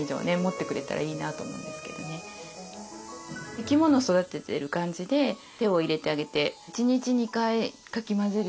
生き物育ててる感じで手を入れてあげて１日２回かき混ぜるようにしてます。